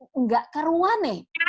tidak keruan eh